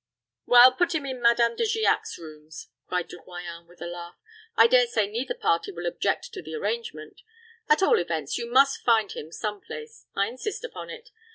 "Well, put him in Madame De Giac's rooms," cried De Royans, with a laugh. "I dare say neither party will object to the arrangement. At all events, you must find him some place; I insist upon it.